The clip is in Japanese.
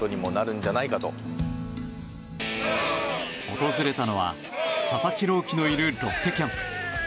訪れたのは、佐々木朗希のいるロッテキャンプ。